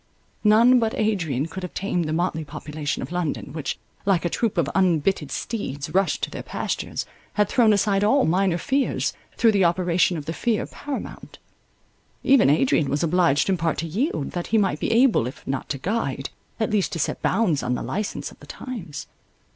None but Adrian could have tamed the motley population of London, which, like a troop of unbitted steeds rushing to their pastures, had thrown aside all minor fears, through the operation of the fear paramount. Even Adrian was obliged in part to yield, that he might be able, if not to guide, at least to set bounds to the license of the times.